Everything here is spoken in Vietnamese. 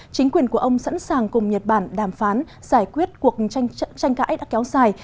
chính quyền của ông sẵn sàng cùng nhật bản đàm phán giải quyết cuộc tranh cãi đã kéo dài